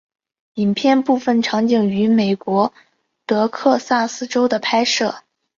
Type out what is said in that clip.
影片部分场景于美国德克萨斯州的拍摄。